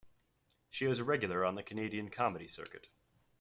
She is a regular on the Canadian comedy circuit.